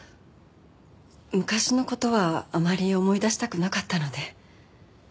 昔の事はあまり思い出したくなかったので。